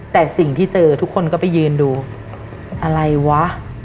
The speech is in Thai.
แต่สิ่งที่เจอทุกคนก็ไปยืนดูอะไรวะ